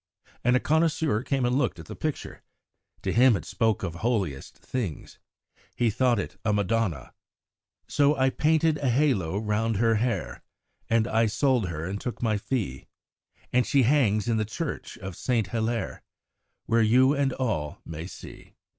And a connoisseur came and looked at the picture. To him it spoke of holiest things; he thought it a Madonna: So I painted a halo round her hair, And I sold her and took my fee; And she hangs in the church of St. Hilaire, Where you and all may see.